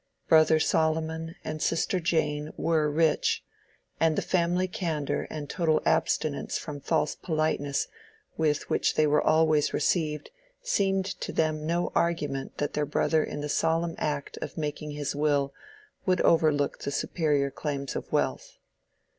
Brother Solomon and Sister Jane were rich, and the family candor and total abstinence from false politeness with which they were always received seemed to them no argument that their brother in the solemn act of making his will would overlook the superior claims of wealth.